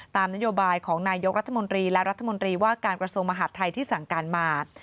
ตามนโยบายของนายกรัฐมนตรีและรัฐมนตรีว่าการกระทรวงมหาดไทยที่สั่งการมา